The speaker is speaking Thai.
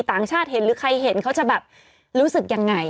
ภึกถึงใช่หรือใครเห็นเขาจะแบบรู้สึกยังไง